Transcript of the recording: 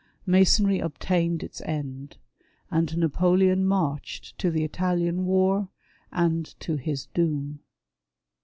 Masonry obtained its end, and Napoleon marched to the Italian war, and to his doom.